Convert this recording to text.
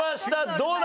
どうだ？